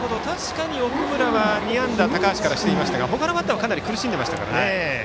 奥村は２安打高橋からしていましたが他のバッターにはかなり苦しんでいましたから。